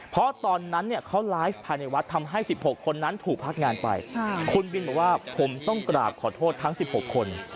เพราะตอนนั้นเนี่ยเขาไลฟ์ภายในวัดทำให้๑๖คนนั้นถูกพักงานไปคุณบินบอกว่าผมต้องกราบขอโทษทั้ง๑๖คน